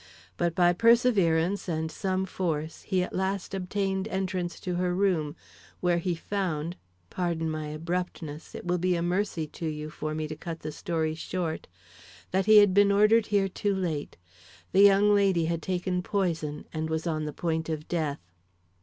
But by perseverance and some force he at last obtained entrance to her room where he found pardon my abruptness, it will be a mercy to you for me to cut the story short that he had been ordered here too late; the young lady had taken poison and was on the point of death."